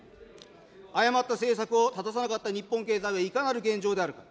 誤った政策をたださなかった日本経済はいかなる現状であるか。